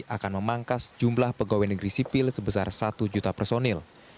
akan memangkas jumlah pegawai negeri sipil sebesar satu juta personil